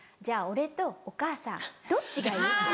「じゃあ俺とお母さんどっちがいい？」。